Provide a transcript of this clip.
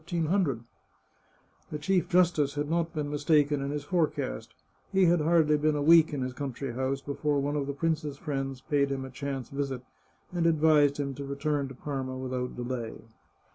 381 The Chartreuse of Parma The Chief Justice had not been mistaken in his forecast ; he had hardly been a week in his country house before one of the prince's friends paid him a chance visit, and advised him to return to Parma without delay.